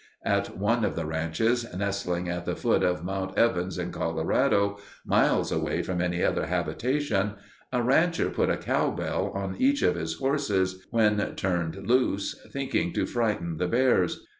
At one of the ranches nestling at the foot of Mount Evans in Colorado, miles away from any other habitation, a rancher put a cow bell on each of his horses when turned loose, thinking to frighten the bears.